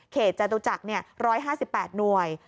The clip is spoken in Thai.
เขตจตุจักรเนี่ย๑๕๘หน่วย